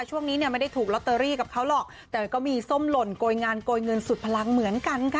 ช่วงนี้เนี่ยไม่ได้ถูกลอตเตอรี่กับเขาหรอกแต่ก็มีส้มหล่นโกยงานโกยเงินสุดพลังเหมือนกันค่ะ